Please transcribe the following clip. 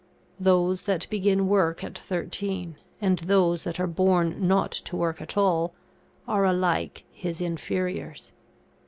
Those that begin work at thirteen, and those that are born not to work at all, are alike his inferiors.